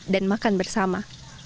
dan makan bersama